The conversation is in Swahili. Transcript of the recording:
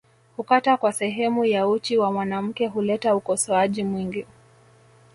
Kukata kwa sehemu ya uchi wa mwanamke huleta ukosoaji mwingi